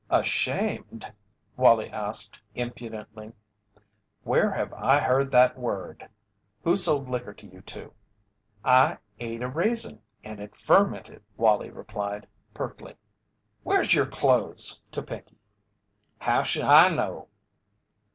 "Ashamed?" Wallie asked, impudently. "Where have I heard that word?" "Who sold liquor to you two?" "I ate a raisin and it fermented," Wallie replied, pertly. "Where's your clothes?" To Pinkey. "How'sh I know?"